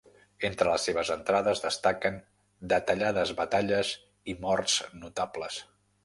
Entre les seves entrades, destaquen detallades batalles i morts notables.